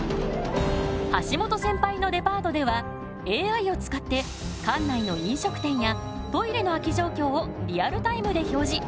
橋本センパイのデパートではＡＩを使って館内の飲食店やトイレの空き状況をリアルタイムで表示。